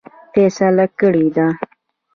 فیصله کړې ده.